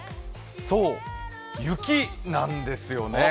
そう、雪なんですよね。